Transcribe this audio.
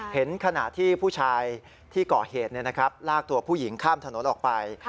ขณะที่ผู้ชายที่ก่อเหตุลากตัวผู้หญิงข้ามถนนออกไป